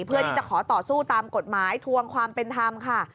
เพื่อที่จะขอต่อสู้ตามกฎหมายทวงความเป็นธรรมค่ะ